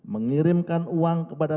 mengirimkan uang kepada